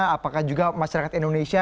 apakah juga masyarakat indonesia